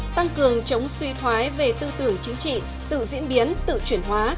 tăng cường chống suy thoái về tư tưởng chính trị tự diễn biến tự chuyển hóa